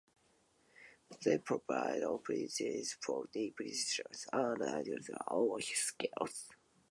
They provide opportunities for repetition, review, and reinforcement of knowledge or skills.